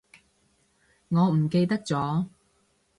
我唔記得咗